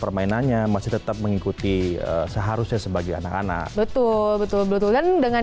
permainannya masih tetap mengikuti seharusnya sebagai anak anak betul betul kan dengan